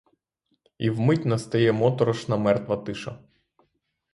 І вмить настає моторошна мертва тиша.